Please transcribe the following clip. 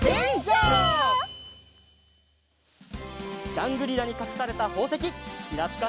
ジャングリラにかくされたほうせききらぴか